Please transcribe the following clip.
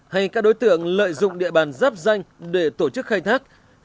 hay các đối tượng lợi dụng địa bàn giáp danh để tổ chức khai thác